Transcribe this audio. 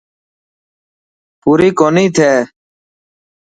پوري ڪوني ٿي.